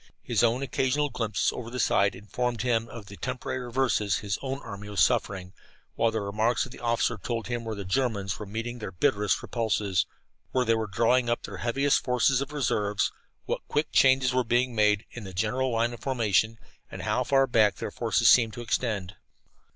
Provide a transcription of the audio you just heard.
His own occasional glimpses over the side informed him of the temporary reverses his own army was suffering, while the remarks of the officer told him where the Germans were meeting their bitterest repulses, where they were drawing up their heaviest forces of reserves, what quick changes were being made in their general line of formation, and how far back their forces seemed to extend.